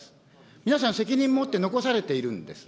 皆さん、責任持って残されているんです。